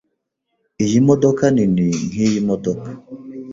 Iyi modoka nini nkiyi modoka.